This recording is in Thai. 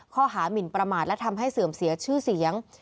หมินประมาทและทำให้เสื่อมเสียชื่อเสียง